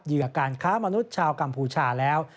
เหยื่อการค้ามนุษย์ชาวกัมพูชาแล้ว